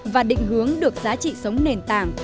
và định hướng được giá trị sống nền tảng